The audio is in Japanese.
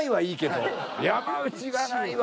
山内が「ない」は。